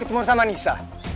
diseket moro sama nisa